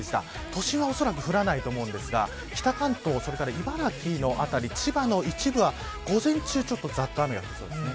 都心はおそらく降らないと思うんですが北関東それから茨城の辺り千葉の一部は午前中ちょっとざっと降りそうです。